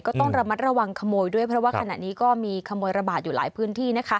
ก็ต้องระมัดระวังขโมยด้วยเพราะว่าขณะนี้ก็มีขโมยระบาดอยู่หลายพื้นที่